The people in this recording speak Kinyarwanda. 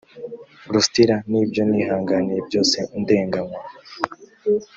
lusitira n ibyo nihanganiye byose ndenganywa